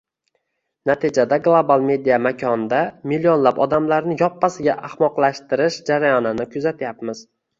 Natijada global media makonda millionlab odamlarni yoppasiga ahmoqlashtirish jarayonini kuzatyapmiz